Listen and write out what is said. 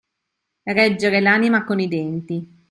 Reggere l'anima con i denti.